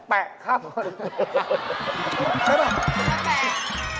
แปะข้างรถ